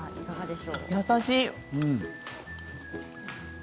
優しい。